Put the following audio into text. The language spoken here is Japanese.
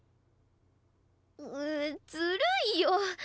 ⁉ううずるいよ